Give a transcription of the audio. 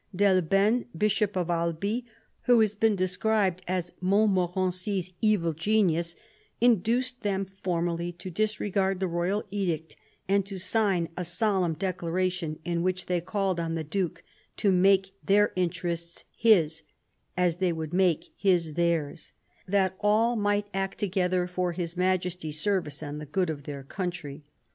D'Elbfene, Bishop of Albi, who has been described as Montmorency's evil genius, induced them formally to disregard the royal edict and to sign a solemn declaration in which they called on the Duke to make their interests his, as they would make his theirs, that all might act together for His Majesty's service and the good of their country.